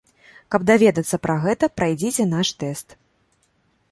Каб даведацца пра гэта, прайдзіце наш тэст.